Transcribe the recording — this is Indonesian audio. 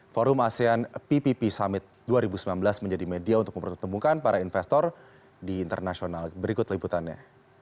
forum asean ppp summit dua ribu sembilan belas menjadi media untuk mempertemukan para investor di internasional berikut liputannya